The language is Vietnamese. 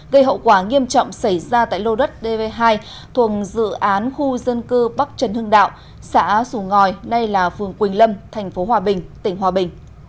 gây hậu quả nghiêm trọng xảy ra tại lô đất dv hai thuồng dự án khu dân cư bắc trần hưng đạo xã sù ngòi nay là phường quỳnh lâm tp hòa bình tỉnh hòa bình